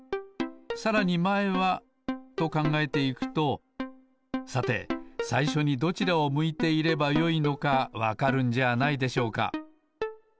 さらにまえはとかんがえていくとさてさいしょにどちらを向いていればよいのかわかるんじゃないでしょうか。